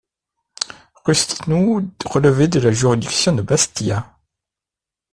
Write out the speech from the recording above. Rustinu relevait de la juridiction de Bastia.